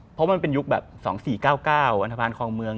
เพราะมันเป็นยุคแบบ๒๔๙๙อันทภาณคลองเมือง